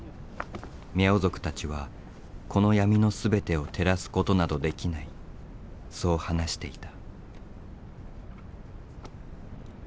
ミャオ族たちはこの闇の全てを照らすことなどできないそう話していた。